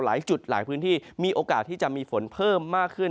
หลายจุดหลายพื้นที่มีโอกาสที่จะมีฝนเพิ่มมากขึ้น